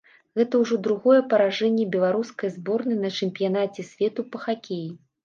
Гэта ўжо другое паражэнне беларускай зборнай на чэмпіянаце свету па хакеі.